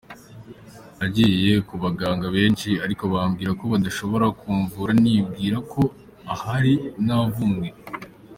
Nagiye kubaganga benshi ariko bambwira ko badashobora kumvura nibwira ko ahari navumwe”.